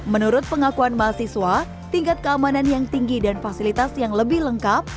menurut pengakuan mahasiswa tingkat keamanan yang tinggi dan fasilitas yang lebih lengkap